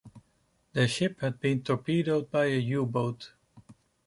Their ship had been torpedoed by a U-boat.